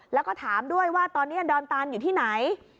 แล้วก็ถามด้วยว่าตอนนี้ดอนตานอยู่ที่ไหน